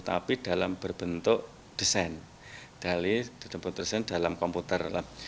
tapi dalam berbentuk desain dalam komputer